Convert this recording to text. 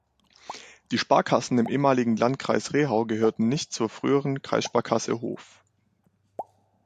Die Sparkassen im ehemaligen Landkreis Rehau gehörten nicht zur früheren Kreissparkasse Hof.